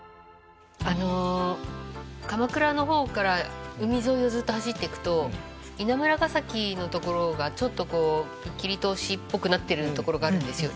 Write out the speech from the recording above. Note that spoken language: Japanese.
鎌倉の方から海沿いをずっと走っていくと稲村ヶ崎の所がちょっとこう切り通しっぽくなってる所があるんですよ